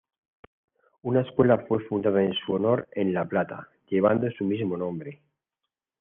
Una escuela fue fundada en su honor en La Plata, llevando su mismo nombre.